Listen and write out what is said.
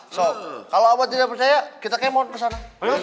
so kalau abah tidak percaya kita kemon kesana